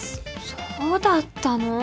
そうだったの！？